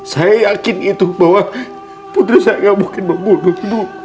saya yang salah saya salah